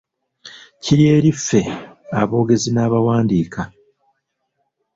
Kiri eri ffe aboogezi n'abawandiika.